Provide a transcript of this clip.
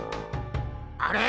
あれ？